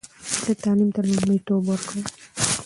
زه تعلیم ته لومړیتوب ورکوم.